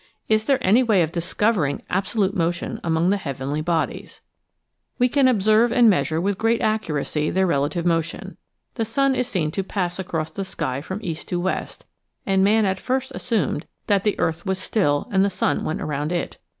Is there any way of discovering absolute motion among the heav enly bodies ? We can observe and measure with great accuracy their relative motion. The sun is seen to pass across the sky from east to west and man at first assumed that the earth was still and the sun went around it.